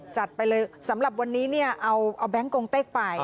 จัดไปเลยสำหรับวันนี้เนี่ยเอาแบงค์กงเต็กไป